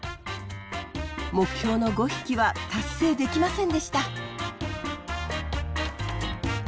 目標の５匹は達成できませんでした。